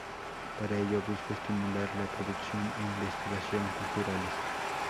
Para ello busca estimular la producción e investigación culturales.